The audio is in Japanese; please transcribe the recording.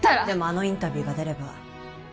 でもあのインタビューが出れば